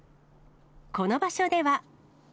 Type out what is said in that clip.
この場所では。